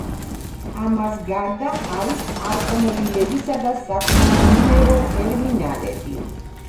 ამას გარდა, არის ავტომობილებისა და საკონტეინერო ტერმინალები.